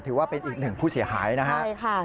ถือว่าเป็นอีกหนึ่งผู้เสียหายนะฮะใช่ค่ะ